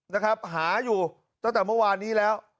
นะครับหาอยู่ตั้งแต่เมื่อวานนี้แล้ว